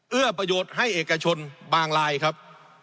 เอื้อประโยชน์ให้เอกชนบางลายครับ